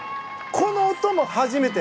この音も初めて。